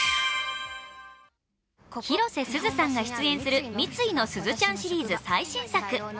広瀬すずさんが出演する三井のすずちゃんシリーズ最新作。